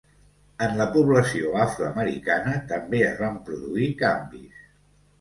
En la població afroamericana també es van produir canvis.